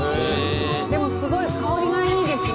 でもすごい香りがいいですね